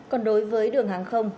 còn đối với đường hàng không